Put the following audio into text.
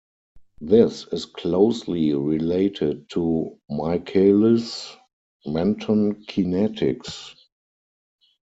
This is closely related to Michaelis-Menten kinetics.